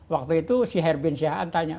waktu itu si herbin syahad tanya